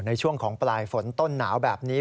ในช่วงของปลายฝนต้นหนาวแบบนี้